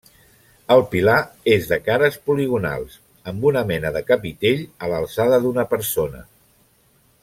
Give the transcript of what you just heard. El pilar és de cares poligonals, amb una mena de capitell a l'alçada d'una persona.